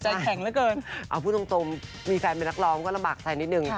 ใจแข็งเหลือเกินเอาพูดตรงมีแฟนเป็นนักร้องก็ลำบากใจนิดนึง